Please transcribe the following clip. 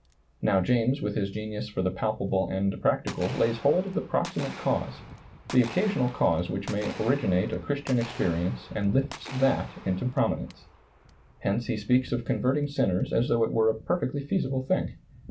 Now James with his genius for the palpable and practical lays hold of the proximate cause, the occasional cause which may originate a Christian experience and lifts that into prominence. Hence he speaks of converting sinners as though it were a perfectly feasible thing.